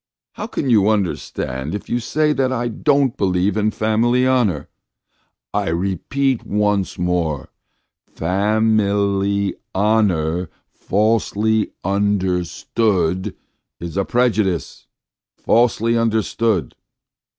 "How can you understand if you say that I don't believe in family honour? I repeat once more: fa mil y ho nour fal sely un der stood is a prejudice! Falsely understood!